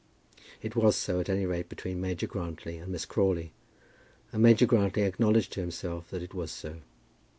It was so at any rate between Major Grantly and Miss Crawley, and Major Grantly acknowledged to himself that it was so.